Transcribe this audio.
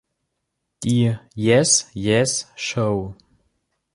Die Yes, Yes Show!